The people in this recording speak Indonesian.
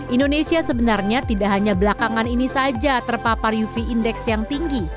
indonesia sebenarnya tidak hanya belakangan ini saja terpapar uv index yang tinggi